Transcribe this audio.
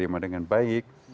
kita terima dengan baik